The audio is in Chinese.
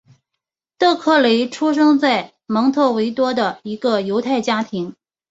德克勒出生在蒙特维多的一个犹太家庭。